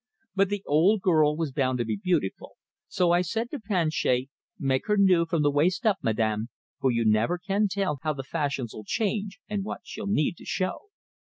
But the old girl was bound to be beautiful, so I said to Planchet, 'Make her new from the waist up, Madame, for you never can tell how the fashions'll change, and what she'll need to show.'"